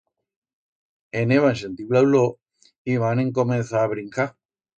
En heban sentiu la ulor, y van encomenzar a brincar.